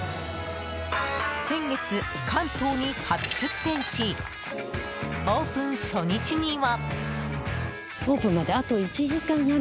先月、関東に初出店しオープン初日には。